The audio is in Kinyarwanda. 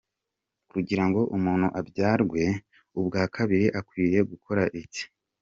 Kugira ngo umuntu abyarwe ubwa kabiri akwiriye gukora iki ?.